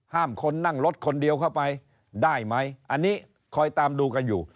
คนนั่งรถคนเดียวเข้าไปได้ไหมอันนี้คอยตามดูกันอยู่